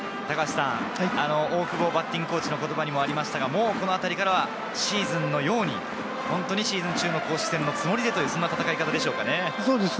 大久保バッティングコーチの言葉にもありましたが、このあたりからはシーズンのように、シーズン中のつもりでという戦いですかね。